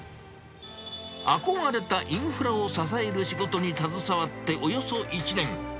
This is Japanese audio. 憧れたインフラを支える仕事に携わっておよそ１年。